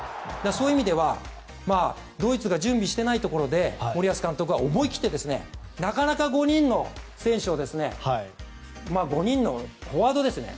そういう意味ではドイツが準備してないところで森保監督は思い切ってなかなか５人の選手を５人のフォワードですね